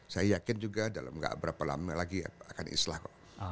saya yakin juga dalam gak berapa lama lagi akan islah kok